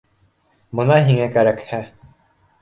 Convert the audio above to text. Бына һиңә кәрәкһә